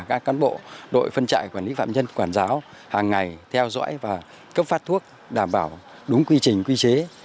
các cán bộ đội phân trại quản lý phạm nhân quản giáo hàng ngày theo dõi và cấp phát thuốc đảm bảo đúng quy trình quy chế